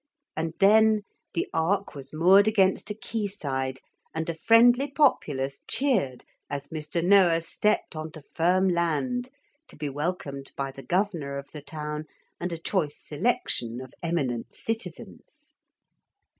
And then the ark was moored against a quay side, and a friendly populace cheered as Mr. Noah stepped on to firm land, to be welcomed by the governor of the town and a choice selection of eminent citizens.